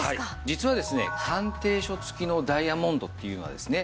実はですね鑑定書付きのダイヤモンドっていうのはですね